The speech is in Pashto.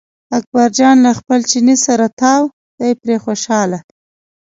اکبر جان له خپل چیني سره تاو دی پرې خوشاله.